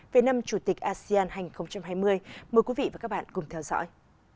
về năm chủ tịch asean hai nghìn hai mươi mời quý vị và các bạn cùng theo dõi